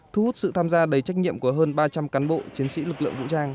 thu hút sự tham gia đầy trách nhiệm của hơn ba trăm linh cán bộ chiến sĩ lực lượng vũ trang